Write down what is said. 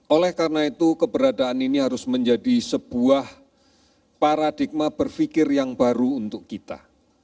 oleh karena itu keberadaan ini harus menjadi sebuah paradigma berpikir yang baru untuk kita